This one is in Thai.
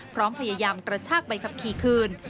พร้อมพยายามกระชากใบขับขี่คืน